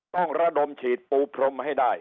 ต้องระดมฉีดปูพรมให้ได้